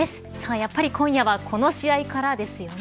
やっぱり今夜はこの試合からですね。